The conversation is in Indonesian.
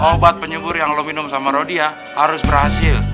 obat penyumbur yang lo minum sama rodia harus berhasil